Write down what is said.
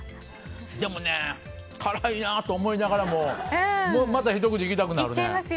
でもね辛いなと思いながらもまたひと口いきたくなるね。